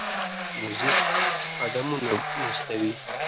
موزیک قدمونه مستوي.